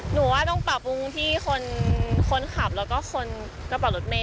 หนูว่าต้องปรับปรุงที่คนขับแล้วก็คนกระเป๋ารถเมย